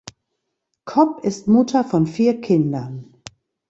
Cobb ist Mutter von vier Kindern.